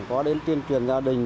có đến tuyên truyền gia đình